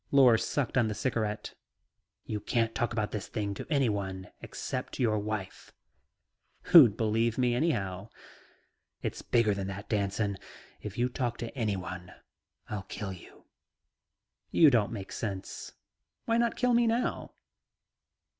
Lors sucked on the cigarette. "You can't talk about this thing to anyone except your wife." "Who'd believe me anyhow?" "It's bigger than that, Danson. If you talk to anyone, I'll kill you." "You don't make sense. Why not kill me now?"